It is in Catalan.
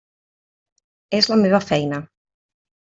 És la meva feina.